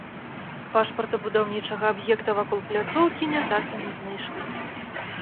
Пашпарта будаўнічага аб'екта вакол пляцоўкі не так і не знайшла.